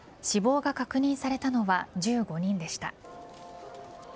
死亡が確認されたのは１５人でした。